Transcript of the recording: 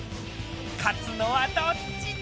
勝つのはどっちだ？